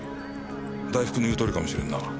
大福の言うとおりかもしれんな。